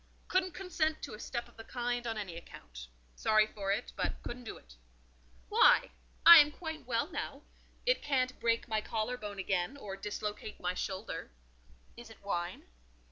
"Couldn't consent to a step of the kind on any account. Sorry for it, but couldn't do it." "Why? I am quite well now: it can't break my collar bone again, or dislocate my shoulder. Is it wine?"